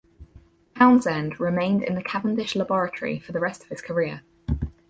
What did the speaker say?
Townsend remained in the Cavendish Laboratory for the rest of his career.